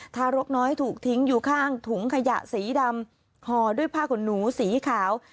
ทารกน้อยถูกทิ้งอยู่ข้างถุงขยะสีดำห่อด้วยผ้าขนหนูสีขาว